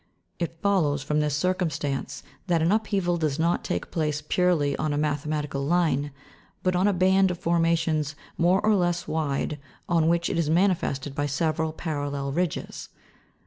It follows from this circumstance that an upheaval does not take place purely on a mathematical line, but on a band of formations more or less wide, on which it is manifested by several parallel ridges.